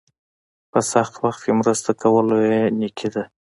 په سخت وخت کې مرسته کول لویه نیکي ده.